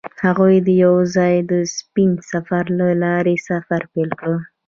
هغوی یوځای د سپین سفر له لارې سفر پیل کړ.